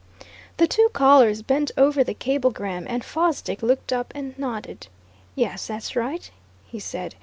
The two callers bent over the cablegram, and Fosdick looked up and nodded. "Yes, that's right," he said.